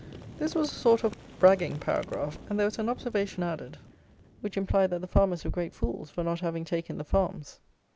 This was a sort of bragging paragraph; and there was an observation added which implied that the farmers were great fools for not having taken the farms!